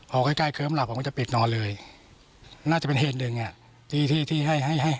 พอใกล้ใกล้เคิ้มหลับผมก็จะปิดนอนเลยน่าจะเป็นเหตุหนึ่งอ่ะที่ที่ให้ให้